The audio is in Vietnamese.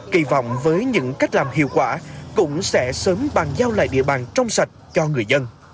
kỳ vọng với những cách làm hiệu quả cũng sẽ sớm bàn giao lại địa bàn trong sạch cho người dân